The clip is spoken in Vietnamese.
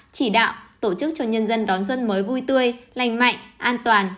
chỉ đạo tổ chức cho nhân dân đón xuân mới vui tươi lành mạnh an toàn